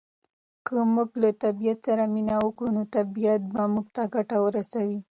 که موږ له طبعیت سره مینه وکړو نو طبعیت به موږ ته ګټه ورسوي.